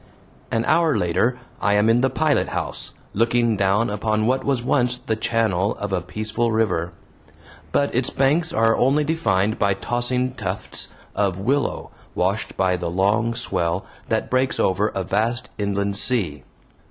An hour later I am in the pilothouse, looking down upon what was once the channel of a peaceful river. But its banks are only defined by tossing tufts of willow washed by the long swell that breaks over a vast inland sea.